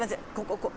ここ。